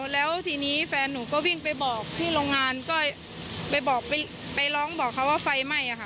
แล้วทีนี้แฟนหนูก็วิ่งไปบอกที่โรงงานก็ไปบอกไปร้องบอกเขาว่าไฟไหม้ค่ะ